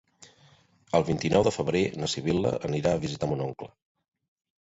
El vint-i-nou de febrer na Sibil·la anirà a visitar mon oncle.